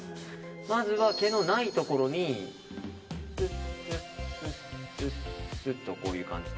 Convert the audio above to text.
まずは毛のないところにスッスッとこういう感じで。